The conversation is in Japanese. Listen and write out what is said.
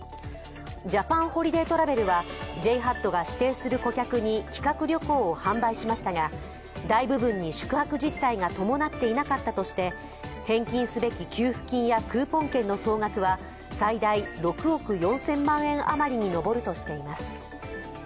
ジャパンホリデートラベルはＪＨＡＴが指定する顧客に企画旅行を販売しましたが大部分に宿泊実態が伴っていなかったとして、返金すべき給付金やクーポン券の総額は最大６億４０００万円余りに上るとしています。